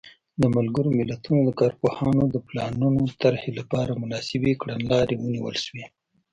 د ملګرو ملتونو د کارپوهانو د پلانونو طرحې لپاره مناسبې کړنلارې ونیول شوې.